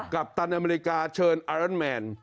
กัปตันอเมริกาเชิญไอร้อนแมน